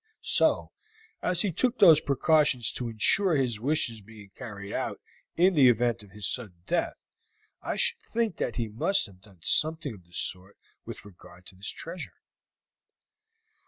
So, as he took these precautions to insure his wishes being carried out in the event of his sudden death, I should think that he must have done something of the sort with regard to this treasure."